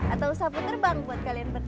atau sabu terbang buat kalian berdua